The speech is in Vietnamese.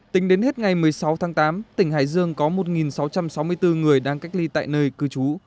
tính đến hết ngày một mươi sáu tháng tám tỉnh hải dương có một sáu trăm sáu mươi bốn người đang cách ly tại nơi cư trú